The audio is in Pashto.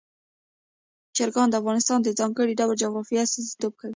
چرګان د افغانستان د ځانګړي ډول جغرافیه استازیتوب کوي.